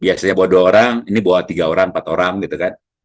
biasanya bawa dua orang ini bawa tiga orang empat orang gitu kan